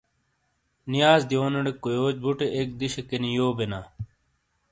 نِیاز دیونیڑے کویوچ بُٹے ایک دِشے کینی یو بینا۔